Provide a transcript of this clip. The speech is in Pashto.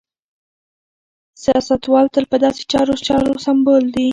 سیاستوال تل په داسې لارو چارو سمبال وي.